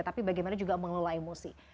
tapi bagaimana juga mengelola emosi